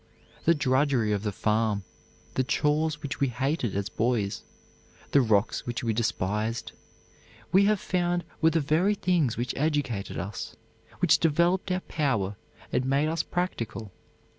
The drudgery of the farm, the chores which we hated as boys, the rocks which we despised, we have found were the very things which educated us, which developed our power and made us practical.